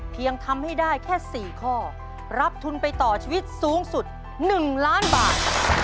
ทำให้ได้แค่๔ข้อรับทุนไปต่อชีวิตสูงสุด๑ล้านบาท